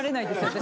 私